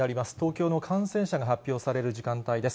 東京の感染者が発表される時間帯です。